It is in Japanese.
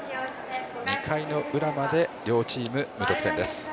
２回の裏まで両チーム無得点です。